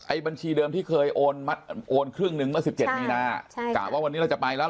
ไอ้บัญชีเดิมที่เคยโอนครึ่งนึงเมื่อ๑๗มีนาอ่ะจากว่าวันนี้เราจะไปแล้ว